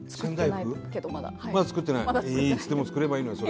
いつでも作ればいいのよ